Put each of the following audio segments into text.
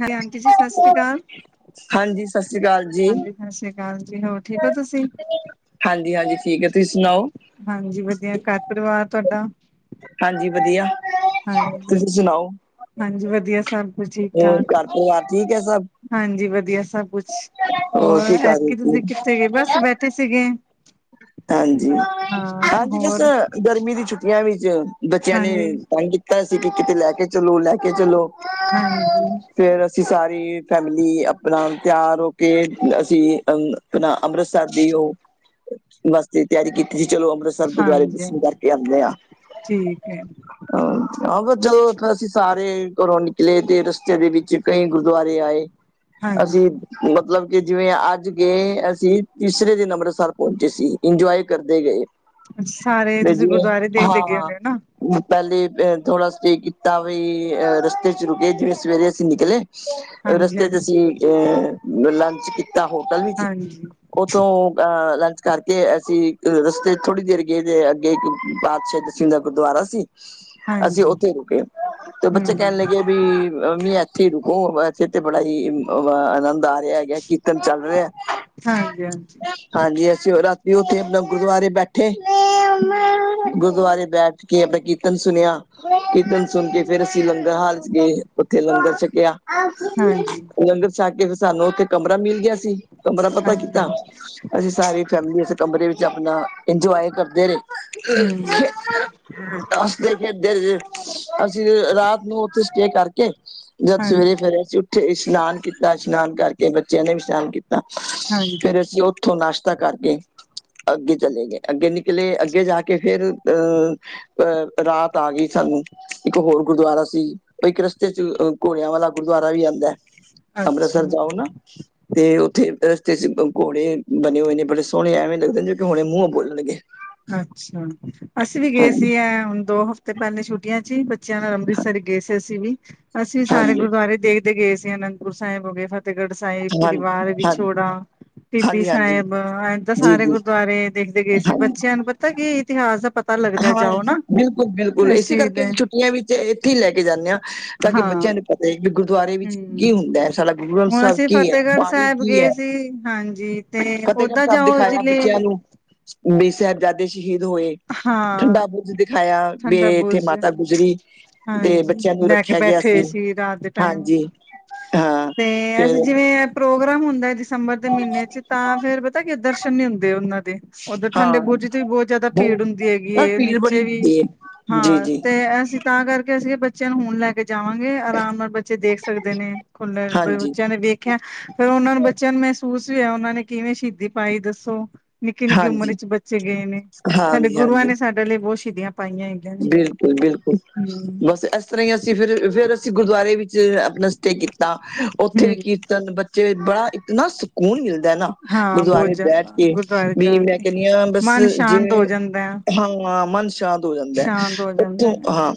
Hello, aunty ਜੀ ਸਤਿ ਸ਼੍ਰੀ ਅਕਾਲ। ਹਾਂਜੀ, ਸਤਿ ਸ੍ਰੀ ਅਕਾਲ ਜੀ। ਹਾਂਜੀ ਸਤਿ ਸ੍ਰੀ ਅਕਾਲ ਜੀ ਹੋਰ ਠੀਕ ਹੋ ਤੁਸੀਂ? ਜੀ, ਹਾਂਜੀ-ਹਾਂਜੀ ਠੀਕ ਹੈ, ਤੁਸੀਂ ਸੁਣਾਓ? ਹਾਂਜੀ ਵਧੀਆ, ਘਰ ਪਰਿਵਾਰ ਤੁਹਾਡਾ। ਹਾਂਜੀ ਵਧੀਆ। ਹਾਂਜੀ, ਤੁਸੀਂ ਸੁਣਾਓ ਹਾਂਜੀ ਵਧੀਆ ਸਭ ਕੁਝ ਹੋਰ ਠੀਕ-ਠਾਕ ਘਰ ਪਰਿਵਾਰ ਠੀਕ ਹੈ ਸਭ ਹਾਂਜੀ ਵਧੀਆ ਸਭ ਕੁਛ, ਹੋਰ ਕੀ ਕਰ ਐਤਕੀ ਰਹੇ ਤੁਸੀਂ ਕਿੱਥੇ ਗਏ? ਸੀ ਬੱਸ ਬੈਠੇ ਸੀਗੇ। ਹਾਂਜੀ, ਹਾਂ ਹਾਂਜੀ ਬੱਸ ਹੋਰ ਗਰਮੀ ਦੀ ਛੁੱਟੀਆਂ ਵਿੱਚ ਬੱਚਿਆਂ ਨੇ ਹਾਂਜੀ ਤੰਗ ਕੀਤਾ ਸੀ, ਕਿ ਕਿਤੇ ਲੈ ਕੇ ਚਲੋ, ਲੈ ਕੇ ਚਲੋ- - ਹਾਂਜੀ। ਫੇਰ, ਅਸੀਂ, ਸਾਰੀ ਫੈਮਲੀ, ਆਪਣਾ ਤਿਆਰ ਹੋ ਕੇ ਅਸੀਂ ਅ ਅੰਮ੍ਰਿਤਸਰ ਦੀ ਉਹ ਵਾਸਤੇ ਤਿਆਰੀ ਕੀਤੀ ਸੀ।, ਚਲੋ ਅੰਮ੍ਰਿਤਸਰ ਗੁਰਦੁਆਰੇ ਦਰਸ਼ਨ ਹਾਂਜੀ। ਕਰਕੇ ਆਉਂਦੇ ਹਾਂ। ਠੀਕ ਹੈ ਹਾਂ ਚਲੋ ਫ ਅਸੀਂ ਸਾਰੇ ਘਰੋਂ ਨਿਕਲੇ ਤੇ ਰਸਤੇ ਦੇ ਵਿੱਚ ਕਈ ਗੁਰਦੁਆਰੇ ਆਏ। ਅਸੀਂ ਹਾਂਜੀ ਮਤਲਬ ਕਿ ਜਿਵੇਂ ਅੱਜ ਗਏ, ਅਸੀਂ ਤੀਸਰੇ ਦਿਨ ਅੰਮ੍ਰਿਤਸਰ ਪਹੁੰਚੇ। ਚੇ ਸੀ ਇੰਜੋਏ ਕਰਦੇ ਗਏ। ਅੱਛ ਸਾਰੇ ਫਿਰ ਤੁਸੀਂ ਜਿਵੇਂ ਗੁਰਦੁਆਰੇ ਦੇਖਦੇ ਗਏ ਹਾਂ ਹੁੰਦੇ ਹੋ ਨਾ ਪਹਿਲੇ ਥੋੜਾ ਸਟੇ ਕੀਤਾ ਬਈ ਅ, ਰਸਤੇ ਚ ਰੁਕੇ ਜਿਵੇਂ ਸਵੇਰੇ ਅਸੀਂ ਨਿਕਲੇ। ਹਾਂਜੀ ਰਸਤੇ 'ਚ ਹਾਂਜੀ ਅਸੀਂ ਅ ਲੰਚ ਕੀਤਾ, ਹੋਟਲ ਵਿੱਚ। ਹਾਂਜੀ ਉਥੋਂ ਅ ਲੰਚ ਕਰਕੇ ਅਸੀਂ ਇੱਕ ਰਸਤੇ ਥੋੜੀ ਦੇਰ ਗਏ, ਤੇ ਅੱਗੇ ਪਾਤਸ਼ਾਹ ਦੱਸਵੀ ਦਾ ਗੁਰਦੁਆਰਾ ਸੀ। ਅਸੀਂ ਹਾਂਜੀ ਉੱਥੇ ਰੁਕੇ, ਤੇ ਬੱਚੇ ਕਹਿਣ ਹਮ ਲੱਗੇ ਵੀ ਇੱਥੇ ਰੁਕੋ, ਤੇ ਬੜਾ ਹੀ ਆਨੰਦ ਆ ਰਿਹਾ। ਕੀਰਤਨ ਚੱਲ ਰਿਹਾ, ਹਾਂਜੀ ਹਾਂਜੀ। ਹਾਂਜੀ ਆ [unintelligible] ਸ਼ਿਵਰਾਤੀ ਉੱਥੇ, ਆਪਣੇ ਗੁਰਦੁਆਰੇ ਬੈਠੇ। ਹਮ ਗੁਰਦੁਆਰੇ ਬੈਠ ਕੇ ਆਪਣਾ ਕੀਰਤਨ ਸੁਣਿਆ, ਕੀਰਤਨ ਹਮ ਸੁਣ ਕੇ ਫੇਰ ਅਸੀਂ ਲੰਗਰ ਹਾਲ ਤੇ ਉੱਥੇ ਲੰਗਰ ਛੱਕਿਆ, ਹਾਂਜੀ ਲੰਗਰ ਜਾਂ ਕੇ ਫਿਰ ਸਾਨੂੰ ਉੱਥੇ ਕਮਰਾ ਮਿਲ ਗਿਆ ਸੀ, ਕਮਰਾ ਪਤਾ ਹਾਂਜੀ ਕਿੱਦਾ, ਹਾਂਜੀ। ਅਸੀਂ ਸਾਰੇ ਫਿਰ ਅਸੀ ਇਸ ਕਮਰੇ ਵਿੱਚ ਆਪਣਾ, ਇੰਨਜੁਆਏ ਕਰਦੇ ਰਹੇ। ਹੂੰ, [unintelligible] ਅਸੀਂ ਦੇ ਫਿਰਦੇ [unintelligible] ਅਸੀਂ ਰਾਤ ਨੂੰ ਉੱਥੇ ਸਟੇ ਕਰਕੇ ਜਦ ਸਵੇਰੇ ਹਾਂਜੀ, ਫਿਰ ਅਸੀਂ ਉੱਠੇ ਇਸ਼ਨਾਨ ਕੀਤਾ, ਇਸ਼ਨਾਨ ਕਰਕੇ ਬੱਚਿਆਂ ਨੇ ਵੀ ਇਸ਼ਨਾਨ ਕੀਤਾ। ਹਾਂਜੀ, ਫੇਰ ਅਸੀਂ ਉੱਥੋਂ ਨਾਸ਼ਤਾ ਕਰ ਅੱਗੇ ਚਲੇ ਗਏ, ਅੱਗੇ ਨਿਕਲੇ, ਅੱਗੇ ਜਾ ਕੇ ਫਿਰ ਅਹ ਅਹ ਰਾਤ ਆ ਗਈ ਸਾਨੂੰ, ਇੱਕ ਹੋਰ ਗੁਰਦੁਆਰਾ ਸੀ। ਇੱਕ ਰਸਤੇ 'ਚ, ਘੋੜਿਆਂ ਵਾਲਾ ਗੁਰਦੁਆਰਾ ਵੀ ਆਉਂਦਾ ਹੈ। ਅੰਮ੍ਰਿਤਸਰ ਅੱਛਾ, ਜਾਓ ਨਾ, ਤੇ ਉੱਥੇ ਰਸਤੇ ਚ ਘੋੜੇ ਬਣੇ ਹੋਏ ਨੇ। ਘੋੜੇ ਐਵੇਂ ਲਗਦੇ, ਕਿ ਹੁਣੇ ਮੂੰਹੋਂ ਬੋਲਣਗੇ। ਅੱਛਾ, ਅਸੀਂ ਵੀ ਗਏ ਸੀ ਹਾਂਜੀ ਐ, ਹੁਣ ਦੋ ਹਫ਼ਤੇ ਪਹਿਲੇ ਛੁੱਟੀਆਂ ਚ ਹੀ ਬੱਚਿਆਂ ਨਾਲ ਹਾਂਜੀ ਅੰਮ੍ਰਿਤਸਰ ਗਏ ਅਸੀ ਵੀ, ਅਸੀ ਸਾਰੇ ਹਾਂਜੀ ਗੁਰਦੁਆਰੇ ਦੇਖਦੇ ਗਏ ਸੀ, ਅਨੰਦਪੁਰ ਸਾਹਿਬ ਹੋ ਗਏ, ਫਤਹ ਫਤਿਹਗੜ੍ਹ ਸਾਹਿਬ, ਪਰਿਵਾਰ ਹਾਂਜੀ ਵਿਛੋੜਾ, ਟਿੱਬੀ ਹਾਂਜੀ ਹਾਂਜੀ ਸਾਹਿਬ, ਆਏ ਤਾਂ ਜੀ ਸਾਰੇ ਜੀ ਗੁਰਦੁਆਰੇ ਦੇਖਦੇ ਗਏ ਸੀ, ਹਾਂਜੀ ਬੱਚਿਆਂ ਨੂੰ ਪਤਾ ਕੀ ਇਤਿਹਾਸ ਦਾ ਪਤਾ ਲੱਗਦਾ ਹਾਂ, ਜਾਓ ਨਾ ਬਿਲਕੁਲ-ਬਿਲਕੁਲ ਇਸ ਇਸੇ ਚੀਜ਼ ਕਰਕੇ ਦੇ ਅਸੀਂ ਛੁੱਟੀਆਂ ਵਿੱਚ ਇੱਥੇ ਹੀ ਲੈ ਕੇ ਜਾਂਦੇ ਹਾਂ ਤਾਂ ਕਿ ਹਾਂ ਬੱਚਿਆਂ ਨੂੰ ਵੀ ਗੁਰਦੁਆਰੇ ਵਿੱਚ ਕੀ ਹੂੰ। ਹੁੰਦਾ ਐ ਸਾਡਾ ਗੁਰੂ ਗ੍ਰੰਥ ਹੁਣ ਸਾਹਿਬ ਅਸੀਂ ਕੀ ਐ? ਫਤਿਹਗੜ੍ਹ ਬਾਣੀ ਸਾਹਿਬ ਕੀ ਗਏ ਐ? ਸੀ ਹਾਂਜੀ ਤੇ ਫ਼ਤਿਹਗੜ੍ਹ ਓਦਾਂ ਸਾਹਿਬ ਜਾਓ ਦਿਖਾਇਆ ਜਿਲੇ ਬੱਚਿਆਂ ਨੂੰ, ਵੀ ਸਾਹਿਬਜ਼ਾਦੇ ਸ਼ਹੀਦ ਹੋਏ। ਹਾਂ ਠੰਡਾ ਬੁਰਜ ਦਿਖਾਇਆ, ਵੀ ਠੰਡਾ ਕਿ ਇੱਥੇ ਬੁਰਜ ਮਾਤਾ ਗੁਜ਼ਰੀ ਦੇ ਹਾਂਜੀ ਬੱਚਿਆਂ ਨੂੰ ਲੈ ਰੱਖ ' ਕੇ [unintelligible] ' ਗਿਆ ਬੈਠੇ ਹੋਏ ਸੀ ਰਾਤ ਦੇ ਟਾਈਮ ਹਾਂਜੀ। ਹਾਂ ਤੇ ਫਿਰ ਅਸੀਂ ਜਿਵੇਂ ਪ੍ਰੋਗਰਾਮ ਹੁੰਦਾ ਦਸੰਬਰ ਦੇ ਮਹੀਨੇ 'ਚ' ਤਾਂ ਫੇਰ ਪਤਾ ਕੀ ਦਰਸ਼ਨ ਨੀ ਹੁੰਦੇ ਉਹਨਾਂ ਦੇ ਉੱਧਰ ਠੰਡੇ ਹਾਂ ਬੁਰਜ 'ਚ' ਵੀ ਬਹੁਤ ਜ਼ਿਆਦਾ ਬਹੁਤ ਭੀੜ ਹੁੰਦੀ ਪਰ ਹੈਗੀ ਭੀੜ ਬੜੀ ਨੀਚੇ ਵੀ ਹੁੰਦੀ ਹੈ ਜੀ ਹਾਂ ਤੇ ਜੀ ਤੇ ਅਸੀਂ ਤਾਂ ਕਰਕੇ ਅਸੀਂ ਬੱਚਿਆਂ ਨੂੰ ਹੁਣ ਲੈ ਕੇ ਜਾਵਾਂਗੇ। ਆਰਾਮ ਨਾਲ ਬੱਚੇ ਦੇਖ ਸਕਦੇ ਨੇ, ਖੁੱਲੇ ਹਾਂਜੀ ਬੱਚਿਆਂ ਨੇ ਵੇਖ ਮੈਂ ਕਿਹਾ ਫਿਰ ਉਹਨਾਂ ਨੂੰ ਬੱਚਿਆਂ ਨੂੰ ਮਹਿਸੂਸ ਵੀ ਹੋਇਆ ਉਹਨਾਂ ਨੇ ਕਿਵੇਂ ਸ਼ਹੀਦੀ ਪਾਈ ਦੱਸੋ। ਨਿੱਕੀ-ਨਿੱਕੀ ਹਾਂਜੀ ਉਮਰ 'ਚ' ਬੱਚੇ ਗਏ ਨੇ, ਸਾਡੇ ਹਾਂਜੀ ਗੁਰੂਆਂ ਨੇ ਸਾਡੇ ਲਈ ਬਹੁਤ ਸ਼ਹੀਦੀਆਂ ਪਾਈਆਂ ਈ। ਬਿਲਕੁਲ-ਬਿਲਕੁਲ ਬੱਸ ਇਸ ਤਰ੍ਹਾਂ ਹੀ ਅਸੀਂ ਫ ਫਿਰ ਅਸੀਂ ਗੁਰਦੁਆਰੇ ਵਿੱਚ ਆਪਣਾ ਸਟੇ ਕੀਤਾ ਉੱਥੇ ਵੀ ਹੂੰ ਕੀ ਤਿੰਨ ਬੱਚੇ ਬੜਾ ਇੱਕ ਨਾ ਸਕੂਨ ਮਿਲਦਾ ਨਾ ਹਾਂ ਬਹੁਤ ਗੁਰਦੁਆਰੇ ਬੈਠ ਜ਼ਿਆਦਾ ਕੇ ਗੁਰਦੁਆਰੇ ਵੀ ਜਾ ਮੈਂ ਕੇ ਕਹਣੀ ਆ ਬੱਸ ਮਨ ਸ਼ਾਂਤ ਹੋ ਜਿਵੇਂ ਜਾਂਦਾ ਹੈ। ਹਾਂ ਮਨ ਸ਼ਾਂਤ ਉਥੋਂ ਹੋ ਜਾਂਦਾ ਐ, ਸ਼ਾਂਤ ਹੋ ਜਾਂਦਾ ਉੱਥੋਂ ਹੈ ਹਾਂ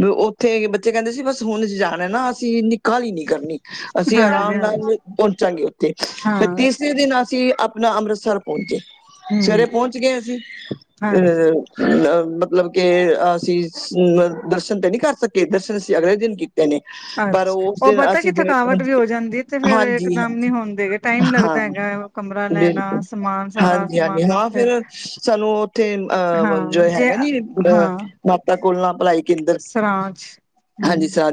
ਵੀ ਉੱਥੇ ਬੱਚੇ ਕਹਿੰਦੇ ਸੀ ਬੱਸ ਹੁਣ ਜਾਣਾ ਨਾ ਅਸੀਂ ਏਨੀ ਕਾਹਲੀ ਨੀ ਕਰਨੀ ਅਸੀਂ ਹਾਂਜੀ ਆਰਾਮ ਹਾਂਜੀ ਨਾਲ ਪਹੁੰਚਾਂਗੇ ਉੱਥੇ, ਹਾਂ ਫਿਰ ਤੀ ' [unintelligible] ' ਦਿਨ ਅਸੀਂ ਆਪਣਾ ਅੰਮ੍ਰਿਤਸਰ ਪਹੁੰਚੇ, ਹਮ ਸਵੇਰੇ ਪਹੁੰਚ ਗਏ ਅਸੀਂ, ਹਾਂਜੀ ਅਹ ਅ -ਮਤਲਬ ਕੇ ਅਸੀਂ ਅ -ਦਰਸ਼ਨ ਤੇ ਨਹੀਂ ਕਰ ਸਕੇ ਦਰਸ਼ਨ ਅਸੀਂ ਅਗਲੇ ਦਿਨ ਕੀਤੇ ਨੇ, ਪਰ ਅੱਛਾ ਉਸ ਉਹ ਦਿਨ ਪਤਾ ਅਸੀਂ ਕਿ ਜਿਵੇਂ ਥਕਾਵਟ ਪਹੁੰਚ, ਵੀ ਹੋ ਜਾਂਦੀ ਤੇ ਫੇਰ ਇਕਦਮ ਨੀ ਹਾਂਜੀ-ਹਾਂਜੀ ਹੁੰਦੇ ਹੈਗੇ ਟਾਈਮ ਹਾਂ, ਲੱਗਦਾ ਹੈਗਾ ਕਮਰਾ ਲੈਣਾ ਬਿਲਕੁਲ, ਸਮਾਨ ਸਾਰਾ ਹਾਂਜੀ-ਹਾਂਜੀ ਸਮਾਨਾ ਹਾਂ ਫਿਰ ਫੇਰ ਸਾਨੂੰ ਉਹ ਥੇ ਅ - ਬ -ਜੋ ਹਾਂ ਜੇ ਹੈਗਾ ਨੀ ਹਾਂ ਮਾਤਾ ਕੋਲ ਨਾ ਭਲਾਈ ਕੇਂਦਰ, ਸਰਾਂਚ ਹਮ ਹਾਂਜੀ ਸਰ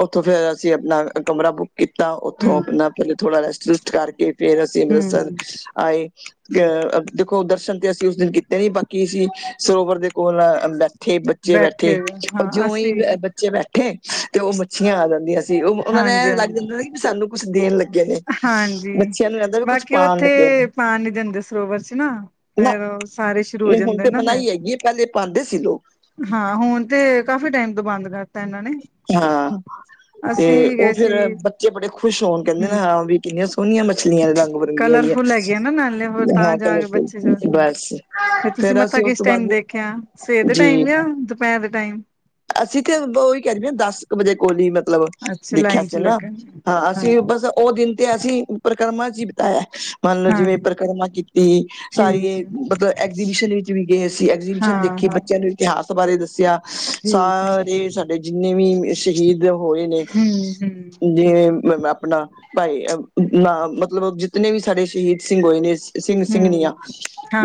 ਉੱਥੋਂ ਫ਼ਿਰ ਅਸੀਂ ਆਪਣਾ ਕਮਰਾ ਬੁੱਕ ਕੀਤਾ ਉੱਥੋਂ ਹਮ ਆਪਣਾ ਥੋੜਾ ਰੈਸਟ-ਰੂਸਟ ਕਰਕੇ ਫੇਰ ਅਸੀਂ ਅੰਮ੍ਰਿਤਸਰ ਹਮ ਆਏ ਅ ਦੇਖੋ ਦਰਸ਼ਨ ਤੇ ਅਸੀਂ ਉਸ ਦਿਨ ਕੀਤੇ ਨ ਬਾਕੀ ਅਸੀਂ ਸਰੋਵਰ ਦੇ ਕੋਲ ਅ ਉੱਥੇ ਬੱਚੇ ਬੈਠੇ, ਹਾਂ ਜਿਉਂ ਹੀ ਅਸੀਂ ਬੱਚੇ ਬੈਠੇ ਤੇ ਉਹ ਮੱਛੀਆਂ ਆ ਜਾਂਦੀਆਂ ਜੀਉਹ ਉਹਨਾਂ ਨੇ ਹਾਂਜੀ ਲੱਗ ਹਾਂਜੀ ਜਾਂਦਾ ਸੀ ਵੀ ਸਾਨੂੰ ਕੁੱਛ ਦੇਣ ਲੱਗੇ ਨੇ ਬੱਚਿਆਂ ਨੂੰ ਕਹਿੰਦਾ ਵੀ ਕੁੱਛ ਪਾਉਣ ਲੱਗੇ ਨੇ ਪਾਣ ਨੀ ਦਿੰਦੇ ਸਰੋਵਰ 'ਚ' ਨਾ। ਨਾ ਫਿਰ ਸਾਰੇ ਸ਼ੁਰੂ ਹੋ ਨਹੀਂ ਹੁਣ ਜਾਂਦੇ ਤੇ ਨਾ ਫਿਰ ਮਨਾਹੀ ਹੈਗੀ ਪਹਿਲੇ ਪਾਦੇ ਸੀ ਲੋਕ‌। ਹਾਂ, ਹੁਣ ਤੇ ਕਾਫ਼ੀ ਟਾਈਮ ਤੋਂ ਬੰਦ ਕਰ ਹਾਂ, ਤੇ ਅਸੀਂ ਵੀ ਉਹ ਗਏ ਫਿਰ ਸੀ, ਬੱਚੇ ਬੜੇ ਖੁਸ਼ ਹੋਣ ਕਹਿੰਦੇ ਨੇ ਹੂੰ। ਹਾਂ ਵੀ ਕਿੰਨੀਆਂ ਸੋਹਣੀਆਂ ਮੱਛਲੀਆਂ ਨੇ ਰੰਗ-ਬਿਰੰਗੀਆਂ ਜੀਆਂ ਕਲਰਫੁਲ ਹੈਗੇ ਆ ਨਾ ਨਾਲੇ ਹੋਰ ਹਾਂ, ' [unintelligible] ' ਕੱਲ ਬੱਸ ਫਿਰ ਤੁਸੀਂ ਮੱਥਾ ਕਿਸ ਟਾਈਮ ਦੇਖਿਆ ਸਵੇਰ ਦੇ ਜੀ ਟਾਈਮ ਜਾਂ ਦੁਪਹਿਰ ਦੇ ਟਾਈਮ। ਅਸੀਂ ਤੇ ਉਹੀ ਕਹਿੰਦੇ ਹ ਦੱਸ ਕ ਵਜੇ ਕੋਲ ਹੀ ਮਤ ਮਤਲਬ, ਅੱਛਾ ਦੇਖਿਆ ਲਾਈਨ ਸੀ ਚ ਨਾ ਲੱਗਣ, ਹਾਂ ਅਸੀਂ ਹਾਂਜੀ, ਬੱਸ। ਉਹ ਦਿਨ ਤੇ ਪਰਿਕਰਮਾ 'ਚ' ਬਿਤਾਇਆ ਮੰਨ ਲਓ। ਜਿਵੇਂ ਹਾਂਜੀ ਪਰਿਕਰਮਾ ਕੀਤੀ। ਸਾਰੀ ਠੀਕ ਹੈ। ਮਤਲਬ ਐਗਜੀਬਿਸ਼ਨ ਵਿੱਚ ਵੀ ਗਏ ਸੀ। ਐਗਜੀਬਿਸ਼ਨ ਹਾਂ, ਦੇਖੀ ਹਾਂ ਬੱਚਿਆਂ ਨੂੰ ਇਤਿਹਾਸ ਬਾਰੇ ਦੱਸਿਆ, ਠੀਕ ਹੈ, ਸਾਰੇ ਜਿੰਨੇ ਵੀ ਸ਼ਹੀਦ ਹੋਏ ਨੇ ਹੂੰ, ਹੂੰ, ਜਿਵੇਂ ਆਪਣਾ ਭਾਈ ਨਾ ਮਤਲਬ ਜਿਤਨੇ ਵੀ ਸਾਡੇ ਸ਼ਹੀਦ ਸਿੰਘ ਹੋਏ ਨੇ। ਸਿੰਘ-ਸਿੰਘਣੀਆਂ ਹੂੰ,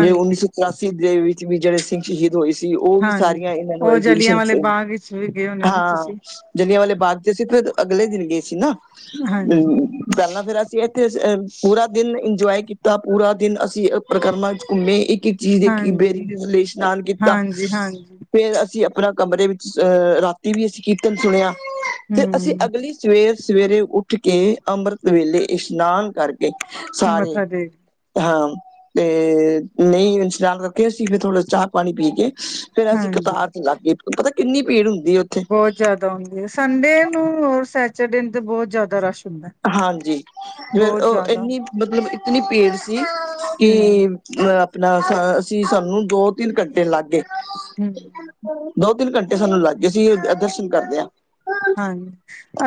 ਜ ਉੱਨੀ ਸੌ ਚਰਾਸੀ ਦੇ ਵਿੱਚ ਵੀ ਜਿਹੜੇ ਸਿੰਘ ਸ਼ਹੀਦ ਹੋਏ ਸੀ। ਉਹ ਵੀ ਹਾਂਜੀ ਸਾਰੀਆਂ ਇਹਨਾਂ ਨੂੰ ਉਹ ਜਲਿਆਂ ਐਗਜੀਵਿਸਨ [unintelligible] ਹਾਂ, ਤੁਸੀਂ ਜਲਿਆਂ ਵਾਲੇ ਬਾਗ ਚ ਅਸੀ ਫਿਰ ਅਗਲੇ ਦਿਨ ਗਏ ਸੀ ਨਾ। ਹਾਂਜੀ ਅਹ ਪਹਿਲਾਂ ਫਿਰ ਅਸੀਂ ਇਹ ਪੂਰਾ ਦਿਨ ਇੰਜੋਏ ਕੀਤਾ, ਪੂਰਾ ਦਿਨ ਅਸੀਂ ਪ੍ਰਕਰਮ ਵਿੱਚ ਘੁੰਮੇ। ਚੀਜ ਦੇਖੀ। ਹਾਂਜੀ ਬੇਰੀ ਥੱਲੇ ਇਸ਼ਨਾਨ ਕੀਤਾ। ਹਾਂਜੀ ਹਾਂਜੀ ਫਿਰ ਅਸੀਂ ਆਪਣਾ ਕਮਰੇ ਵਿੱਚ ਅਹ ਰਾਤੀ ਵੀ ਅਸੀ ਕੀਰਤਨ ਸੁਣਿਆ। ਫਿਰ ਅਸੀਂ ਹਮ ਅਗਲੀ ਸਵੇਰ-ਸਵੇਰੇ ਉੱਠ ਉੱਠ ਕੇ ਅੰਮ੍ਰਿਤ ਵੇਲੇ ਇਸ਼ਨਾਨ ਕਰਕੇ ਸਾਰੇ। ਮੱਥਾ ਟੇਕ ਹਾਂ ਤੇ ਨਹੀਂ ਇਸਨਾਨ ਕਰਕੇ ਅਸੀਂ ਫਿਰ ਥੋੜ੍ਹਾ ਚਾਹ-ਪਾਣੀ ਪੀ ਕੇ। ਫਿਰ‌ ਅਸੀਂ ਹਾਂਜੀ ਕਤਾਰ ਚ ਲੱਗੇ ਗਏ। ਪਤਾ ਕਿੰਨੀ ਭੀੜ ਹੁੰਦੀ ਏ। ਬਹੁਤ ਜਿਆਦਾ ਹੁੰਦੀ ਏ। ਸੰਡੇ ਨੂੰ ਰ ਸੈਚਡੇ ਨੂੰ ਤੇ ਬਹੁਤ ਜਿਆਦਾ ਰਸ਼ ਹੁੰਦਾ। ਹਾਂਜੀ, ਬਹੁਤ ਉਹ ਜ਼ਿਆਦਾ ਇੰਨੀ ਮਤਲਬ ਇਤਨੀ ਭੀੜ ਕਿ ਹਮ ਅ ਆਪਣਾ ਅਸੀਂ ਸਾਨੂੰ ਦੋ-ਤਿੰਨ ਘੰਟੇ ਲੱਗ ਗਏ। ਹਮ ਦੋ-ਤਿੰਨ ਘੰਟੇ ਸਾਨੂੰ ਲੱਗ ਗਏ ਸੀ। ਅਸੀ ਦਰਸ਼ਨ ਕਰਦਿਆਂ। ਹਾਂ।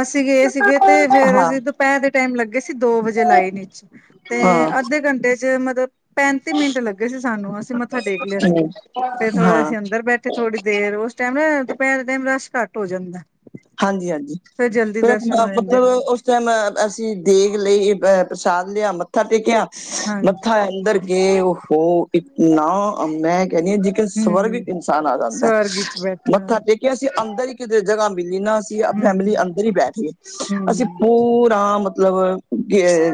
ਅਸੀਂ ਗਏ ਸੀਗੇ ਤੇ ਫਿਰ ਹਾਂ ਅਸੀ ਦੁਪਹਿਰ ਦੇ ਟਾਈਮ ਲੱਗੇ ਸੀ ਦੋ ਵਜੇ ਲਾਈਨ ਵਿਚ। ਤੇ ਹਾਂ ਅੱਧੇ ਘੰਟੇ ਚ ਮਤਲਬ ਪੈਂਤੀ ਮਿੰਟ ਲੱਗੇ ਸੀ ਸਾਨੂੰ। ਅਸੀ ਮੱਥਾ ਟੇਕ ਲਿਆ ਸੀ। ਹਮ ਫਿਰ ਥੋੜੇ ਹਾਂ ਅਸੀਂ ਅੰਦਰ ਬੈਠੇ ਥੋੜੀ ਦੇਰ ਉਸ ਟੇਮ ਨਾ ਦੁਪਹਿਰ ਦੇ ਟਾਈਮ ਰਸ਼ ਘੱਟ ਹੋ ਜਾਂਦਾ। ਹਾਂਜੀ ਹਾਂਜੀ। ਫਿਰ ਜਲਦੀ ਫ ਦਰਸ਼ਨ ਹੋ ਜਾਂਦੇ ਮਤਲਬ ਨੇ ਉਸ ਉਸ ਟਾਈਮ ਅਸੀ ਦੇਗ ਲਈ ਅ ਪ੍ਰਸ਼ਾਦ ਲਿਆ, ਮੱਥਾ ਟੇਕਿਆ। ਹਾਂਜੀ ਮੱਥਾ ਅੰਦਰ ਕਿ ਉਹ ਇਤਨਾ ਮੈਂ ਕਹਿੰਦੀ ਹਾਂ ਜ ਸਵਰਗ ਹੂੰ ਇਨਸਾਨ ਆ ਜਾਂਦਾ ਸਵਰਗ ਵਿੱਚ ਏ। ਬੈਠਾ ਮੱਥਾ ਟੇਕਿਆ ਅਸੀਂ ਅੰਦਰ ਹੀ ਕਿਤੇ ਜਗ੍ਹਾ ਮਿਲੀ ਨਾ। ਫੈਮਿਲੀ ਹੂੰ ਅੰਦਰ ਹੀ ਬੈਠ ਗਏ। ਅਸੀਂ ਹੂੰ ਪੂਰਾ ਮਤਲਬ ਗ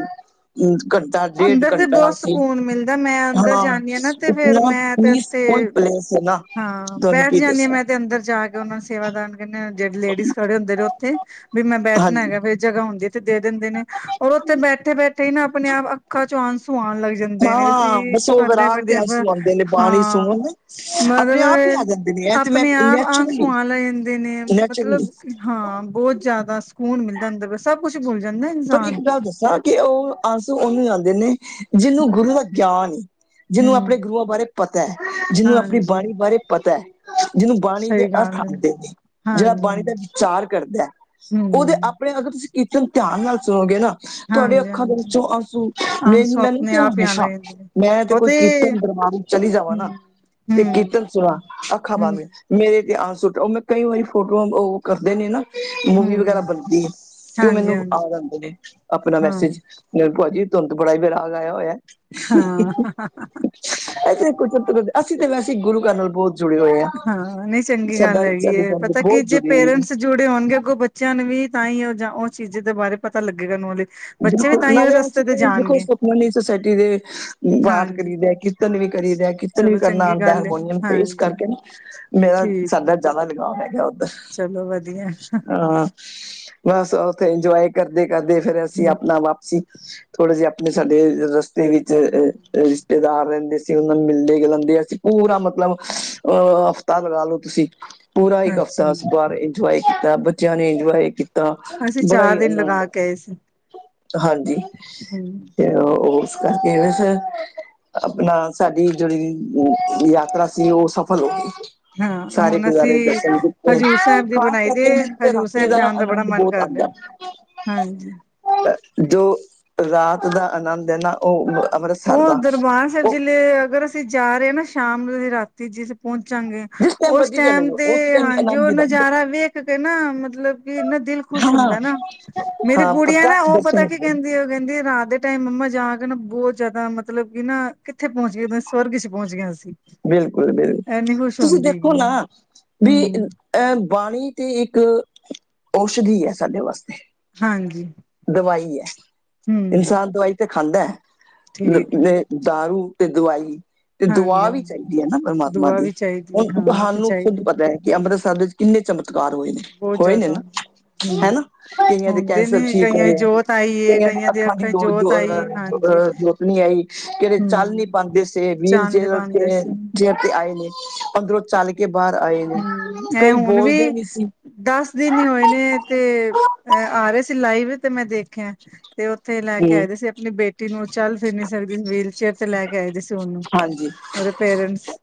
[unintelligible] ਡੇਢ ਅੰਦਰ ਤੇ ਘੰਟਾ ਬਹੁਤ ਅਸੀਂ ਸਕੂਨ ਮਿਲਦਾ ਮੈਂ ਅੰਦਰ ਹਾਂ। ਜਾਂਦੀ ਨਾ ਤੇ ਫੇਰ ਇਤਨਾ ਮੈਂ ਤੇ ਉੱਥੇ ਪੀਸਫੁਲ ਪਲੇਸ ਏ ਨਾ। ਹਾਂ ਤੁਹਾਨੂੰ ਬੈਠ ਕੀ ਜਾਂਦੀ ਆ। ਦੱਸਾਂ ਮੈਂ ਤੇ ਅੰਦਰ ਜਾ ਕੇ। ਉਹ ਸੇਵਾਦਾਨ ਕਹਿਨੇ ਜਿਹੜੇ ਲੇਡੀਜ਼ ਖੜੇ ਹੁੰਦੇ ਰਹੇ ਉੱਥੇ ਵੀ ਮੈਂ ਬੈਠਣਾ ਹਾਂਜੀ ਹੈਗਾ ਜਗ੍ਹਾ ਹੁੰਦੀ ਏ। ਦੇ ਦਿੰਦੇ ਨੇ ਔਰ ਉੱਥੇ ਬੈਠੇ-ਬੈਠੇ ਹੀ ਨਾ ਆਪਣੇ ਆਪ ਅੱਖਾਂ ਚ ਆਉਣ ਆਸੋ ਆਣ‌ ਲੱਗ ਜਿੰਦੇ ਨੇ ਹਾਂ ਅਸੀਂ ਬਸ ਉਹ ਸਵਰਗ ਵਿਰਾਗ ਦੇ ਬੈਠੇ ਆਂਸੂ ਆਉਂਦੇ ਨੇ ਬਾਣੀ ਸੁਣੋ ਹਾਂ ਨਾ ਆਪਣੇ ਮਤਲਬ ਆਪ ਹੀ ਇਹ ਆ ਮਤ ਜਾਂਦੇ ਨੇ ਇਹ ਤੇ ਮੈਂ ਆਪਣੇ ਆਪ ਨੈਚੁਰਲੀ ਆਸੂ ਆ ਲੈ ਜਾਂਦੇ ਨੇ। ਮਤਲਬ ਨੈਚੁਰਲੀ ਹਾਂ। ਬਹੁਤ ਜ਼ਿਆਦਾ ਸਕੂਨ ਮਿਲਦਾ ਅੰਦਰ ਬਸ। ਸਭ ਕੁੱਛ ਭੁੱਲ ਜਾਂਦਾ ਜੀ। ਪਰ ਇੱਕ ਗੱਲ ਦੱਸਾਂ ਕਿ ਉਹ ਅੰਸੂ ਉਹਨੂੰ ਜਾਂਦੇ ਨੇ ਜਿਹਨੂੰ ਗੁਰੂ ਦਾ ਗਿਆਨ ਹੋ। ਜਿਹਨੂੰ ਆਪਣੇ ਹੂੰ ਗੁਰੂਆਂ ਬਾਰੇ ਪਤਾ, ਜਿਹਨੂੰ ਆਪਣੀ ਹਾਂਜੀ ਬਾਣੀ ਬਾਰੇ ਪਤਾ। ਜਿਹਨੂੰ ਬਾਣੀ ਦੇ ਸਹੀ ਅਰਥ ਗੱਲ ਹੈ ਆਂਦੇ ਨੇ। ਜਿਹੜਾ ਹਾਂਜੀ ਬਾਣੀ ਦਾ ਹਾਂਜੀ ਵਿਚਾਰ ਕਰਦਾ। ਉਹਦੇ ਹੂੰ ਆਪਣੇ ਅਗਰ ਤੁਸੀਂ ਕੀਰਤਨ ਧਿਆਨ ਨਾਲ ਸੁਣੋਗੇ ਨਾ। ਤੁਹਾਡੇ ਹਾਂਜੀ ਅੱਖਾਂ ਦੇ ਹਾਂਜੀ ਵਿੱਚੋਂ ਅੰਸੂ ਆਂਸੂ ਮੈਨੂੰ ਆਪਣੇ ਤੇ ਆਪ ਹੀ ਆਣ ਹਮੇਸ਼ਾ। ਲੱਗ ਜਾਂਦੇ ਨੇ ਮੈਂ ਤੇ ਉਹ ਕੋਈ ਕੀਰਤਨ ਦਰਬਾਰ ਚਲੀ ਜਾਵਾਂ ਹੂੰ ਨਾ, ਤੇ ਹੂੰ ਕੀਰਤਨ ਸੁਣਾ, ਅੱਖਾਂ ਹੂੰ ਬੰਦ। ਮੇਰੇ ਤੇ ਆ ਆਸ਼ੂ ਸੁਟ ਉਹ ਮੈਂ ਕਈ ਵਾਰ ਫੋਟੋਆਂ ਕਰਦੇ ਨੇ ਨਾ ਮੂਵੀ ਵਗੈਰਾ ਹੂੰ ਬਣਦੀ ਏ ਤੇ ਉਹ ਹਾਂਜੀ ਮੈਨੂੰ ਆ ਹਾਂਜੀ ਜਾਂਦੇ ਨੇ ਆਪਣਾ ਹਾਂ ਮੈਸੇਜ। ਲੈ ਭਾਜੀ, ਤੁਹਾਨੂੰ ਤੇ ਬੜਾ ਹੀ ਵਿਰਾਗ ਆਇਆ ਹੋਇਆ। ਹਾਂ। ਏਥੇ ਕੋਈ ਚੱਕਰ ਅਸੀਂ ਤਾਂ ਵੈਸੇ ਗੁਰੂ ਘਰ ਨਾਲ ਬਹੁਤ। ਜੁੜੇ ਹੋਏ ਆ ਹਾਂ, ਨਹੀਂ ਚੰਗੀ ਗੱਲ ਸਾਡਾ ਹੈਗੀ ਸਾਡੀ ਏ ਫੈਮਿਲੀ ਪਤਾ ਕੀ ਬਹੁਤ ਜੇ ਜੁੜੀ ਹੋਈ ਹੈ ਪੇਰੈਂਟਸ ਜੁੜੇ ਹੋਣਗੇ। ਅੱਗੋਂ ਬੱਚਿਆਂ ਨੂੰ ਵੀ ਤਾਂ ਹੀ ਉਹ ਜਾ ਚੀਜ਼ ਦੇ ਬਾਰੇ ਪਤਾ ਲੱਗੇਗਾ ਨੋਲਜ। ਬਿਲਕੁਲ ਨਾਲੇ ਅਸੀਂ ਤੇ ਦੇਖੋ ਸੁਖਮਨੀ ਸੋਸਾਇਟੀ ਦੇ ਬਾਤ ਹਾਂਜੀ ਕਰੀ ਦਾ ਕਿ ਕੀਰਤਨ ਵੀ ਕਰੀ ਦਾ। ਕੀਰਤਨ ਵੀ ਚਲੋ ਕਰਨਾ ਚੰਗੀ ਆਦਾ ਗੱਲ ਏ ਹਰਮੋਨੀਅਮ ਤੇ ਇਸ ਹਾਂਜੀ ਕਰਕੇ ਨਾ। ਮੇਰਾ, ਠੀਕ ਹੈ ਸਾਡਾ ਜ਼ਿਆਦਾ ਲਗਾਓ ਹੈਗਾ ਉੱਧਰ। ਚਲੋ ਵਧੀਆ। ਹਾਂ, ਬਸ ਉੱਥੇ ਇੰਜੋਏ ਕਰਦੇ-ਕਰਦੇ ਫਿਰ ਅਸੀਂ ਹੂੰ ਆਪਣਾ ਵਾਪਸੀ ਥੋੜੇ ਜਿਹੇ ਆਪਣੇ ਸਾਡੇ ਰਸਤੇ ਵਿੱਚ ਅਹ ਰਿਸ਼ਤੇਦਾਰ ਰਹਿੰਦੇ ਸੀ। ਉਹ ਨਾਲ ਮਿਲਦੇ ਗਲਾਂਦੇ ਆ ਅਸੀ ਪੂਰਾ ਮਤਲਬ ਅਹ ਹਫ਼ਤਾ ਲਗਾਲੋੋ ਤੁਸੀ। ਪੂਰਾ ਇੱਕ ਅੱਛਾ ਹਫ਼ਤਾ ਅਸੀਂ ਬਾਹਰੇ ਇੰਜੋਏ ਕੀਤਾ। ਬੱਚਿਆਂ ਨੇ ਇੰਜੋਏ ਕੀਤਾ। ਬੜਾ ਹੀ ਆਨੰਦ ਏ ਸੀ। ਹਾਂਜੀ। ਹੂੰ ਤੇ ਉਸ ਕਰਕੇ ਨਾ ਫਿਰ। ਆਪਣਾ, ਸਾਡੀ ਜਿਹੜੀ ਯਾਤਰਾ ਸੀ। ਉਹ ਸਫਲ ਹੋ ਗਈ। ਹਾਂ ਸਾਰੇ ਹੁਣ ਗੁਰਦਆਰੇ ਅਸੀਂ ਦਰਸ਼ਨ ਕੀਤੇ। ਹਜ਼ੂਰ ਸਾਹਿਬ ਦੀ ਖਾਸ ਬਣਾਈ ਦੀ ਕਰਕੇ ਏ, ਮੈਨੂੰ ਤੇ ਹਜ਼ੂਰ ਰਾਤੀ ਸਾਹਿਬ ਦਾ ਜਾਣ ਬੜਾ ਆਨੰਦ ਮਨ ਬਹੁਤ ਕਰ ਆਦਾਂ। ਰਿਹਾ [inaudible] ਹਾਂਜੀ। ਜੋ ਰਾਤ ਦਾ ਅਨੰਦ ਏ ਨਾ ਉਹ ਅਵਰਸ ਉਹ ਦਰਬਾਰ ਸਾਹਿਬ ਜ਼ਿਲ੍ਹੇ ਅਗਰ ਅਸੀਂ ਜਾ ਰਹੇ ਹਾਂ ਨਾ ਸ਼ਾਮ ਨੂੰ ਅਸੀਂ ਰਾਤੀ ਜਿਸ ਪਹੁੰਚਾਂਗੇ। ਜਿਸ ਟਾਈਮ ਉਸ ਮਰਜ਼ੀ ਚਲੇ ਟੈਮ ਜਾਓ ਤੇ ਉਸ ਟਾਈਮ ਹਾਂਜੀ ਆਨੰਦ ਉਹ ਹੀ ਆਨੰਦ ਨਜ਼ਾਰਾ ਵੇਖ ਕੇ ਨਾ ਮਤਲਬ ਕਿ ਇਨਾਂ ਦਿਲ ਖੁਸ਼ ਹਾਂ ਹੁੰਦਾ ਨਾ। ਮੇਰੀ ਹਾਂ ਗੁੜੀਆਂ ਨਾ ਪ੍ਰਤੱਖ ਉਹ ਦਰਸ਼ਨ ਪਤਾ ਕੀ ਹੁੰਦੇ ਨੇ ਕਹਿੰਦੀ ਉਹ ਕਹਿੰਦੀ ਰਾਤ ਦੇ ਟਾਈਮ ਮੰਮਾ ਜਾ ਕੇ ਨਾ ਬਹੁਤ ਜਿਆਦਾ ਮਤਲਬ ਕਿ ਨਾ ਕਿੱਥੇ ਪਹੁੰਚ ਗਿਆ। ਸਵਰਗ 'ਚ ਪਹੁੰਚ ਗਿਆ ਅਸੀਂ? ਬਿਲਕੁਲ-ਬਿਲਕੁਲ। ਇੰਨੀ ਖੁਸ਼ ਤੁਸੀ ਹੁੰਦੀ ਦੇਖੋ ਹੈਗੀ ਹੈ ਨਾ ਵੀ ਹਮ ਐ ਬਾਣੀ ਤੇ ਇੱਕ ਔਸ਼ਧੀ ਏ, ਸਾਡੇ ਵਾਸਤੇ। ਹਾਂਜੀ ਦਵਾਈ ਐ। ਹਮ ਇਨਸਾਨ ਦਵਾਈ ਤੇ ਖਾਂਦਾ। ਠੀਕ ਹੈ ਮਤਲ ਦਾਰੂ ਤੇ ਦਵਾਈ ਹਾਂਜੀ ਜੀ‌। ਕਿਰਪਾ ਨਾ ਪ੍ਰਮਾਤਮਾ ਦੀ, ਹੁਣ ਤੇ ਤੁਹਾਨੂੰ ਖੁਦ ਚਾਹੀਦੀ ਪਤਾ ਏ ਕਿ ਅੰਮ੍ਰਿਤਸਰ ਦੇ ਵਿੱਚ ਕਿੰਨੇ ਚਮਤਕਾਰ ਹੋਏ ਨੇ। ਬਹੁਤ ਹੋਏ ਨੇ ਜ਼ਿਆਦਾ। ਨਾ ਹਮ ਹਨਾ ਕਈਆਂ ਦੇ ਹੁੰਦੇ ਨੇ ਕੈਂਸਰ ਠੀਕ ਕਈਆਂ ਦੀ ਹੋਏ, ਜੋਤ ਆਈ ਏ ਕਈਆਂ ਦੇ ਅੱਖਾਂ ਦੀ ਚ ਰੋ ਅਹ ਜੋਤ ਆਈ ਏ ਹਾਂਜੀ। ਜੋ ਅਹ ਨੀ ਆਈ ਕਿਹੜੇ ਚੱਲ ਨੀ ਹੂੰ ਪਾਂਦੇ ਸੇ ਵੀਲ ਚਾਨਣੇ ਚੇਅਰ ਪਾਂਦੇ ਤੇ। ਸੀ ਚੇਰ ਤੇ ਆਏ ਨੇ ਅੰਦਰੋਂ ਚੱਲ ਕੇ ਬਾਹਰ ਆਏ ਨੇ ਹੂੰ ਐ ਕਈ ਹੁਣ ਵੀ ਬੋਲਦੇ ਨਹੀਂ ਸੀ। ਦਸ ਦਿਨ ਹੀ ਹੋਏ ਨੇ ਤੇ ਆ ਰਹੇ ਸੀ ਲਾਈਵ ਤੇ ਮੈਂ ਦੇਖਿਆ। ਤੇ ਉੱਥੇ ਲੈ ਕੇ ਹਮ ਆਏ ਸੀ। ਆਪਣੀ ਬੇਟੀ ਨੂੰ ਚੱਲ, ਫਿਰ ਨੀ ਸਕਦੀ ਸੀ ਵੀਲਚੇਅਰ ਤੇ ਲੈ ਕੇ ਆਏ ਦੇ ਸੀ ਉਹਨੂੰ। ਹਾਂਜੀ ਉਹਦੇ ਪੇਰੈਂਟਸ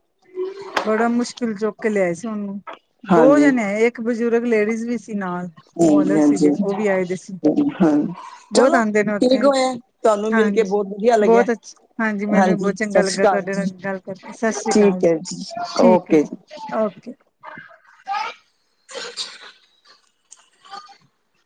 ਬੜਾ ਮੁਸ਼ਕਿਲ ਚੁੱ ਕੇ ਲਿਆ ਸੀ ਉਹਨੂੰ। ਦੋ ਹਾਂਜੀ ਜਣੇ ਇੱਕ ਬਜ਼ੁਰਗ ਲੇਡੀਜ਼ ਵੀ ਸੀ ਨਾਲ। ਉਹ ਹਾਂਜੀ ਅਲੱਗ ਸੀਗੇ‌। ਹਾਂਜੀ ਉਹ ਵੀ ਆਏ ਦੇ ਸੀ ਹਾਂ ਬਹੁਤ ਚਲੋ ਆਦੇ ਨੇ ਠੀਕ ਉੱਥੇ। ਹੋਇਆ ਤੁਹਾਨੂੰ ਮਿਲ ਕੇ ਹਾਂਜੀ ਬਹੁਤ ਵਧੀਆ ਲੱਗਿਆ ਬਹੁਤ ਅੱਛ ਹਾਂਜੀ ਮੈਨੂੰ ਵੀ ਬਹੁਤ ਸਤਿ ਚੰਗਾ ਸ਼੍ਰੀ ਲੱਗਾ ਅਕਾਲ ਤੁਹਾਡੇ ਨਾਲ਼ ਜੀ ਗੱਲ ਕਰਕੇ ਸਸਰੀ ਕਾਲ ਠੀਕ ਹੈ ਜੀ ਠੀਕ ਏ ਓਕੇ ਜੀ ਓਕੇ। [inaudible] [inaudible]